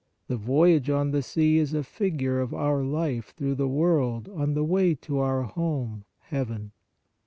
The voyage on the sea is a figure of our life through the world on the way to our home, heaven.